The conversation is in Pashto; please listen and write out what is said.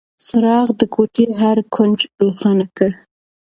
څراغ د کوټې هر کونج روښانه کړ.